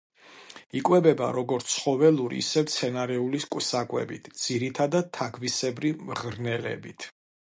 იკვებება როგორც ცხოველური, ისე მცენარეული საკვებით, ძირითადად თაგვისებრი მღრღნელებით.